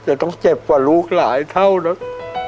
จะต้องเจ็บกว่าลูกหลายเท่านะ